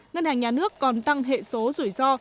ngân hàng nhà nước còn tăng hệ số rủi ro